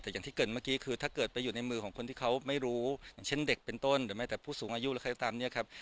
แต่อย่างที่เกิดเมื่อกี้คือถ้าเกิดไปอยู่ในมือของคนที่เขาไม่รู้อย่างเช่นเด็กเป็นต้นหรือไม่แต่ผู้สูงอายุหรือใครก็ตามเนี่ยครับ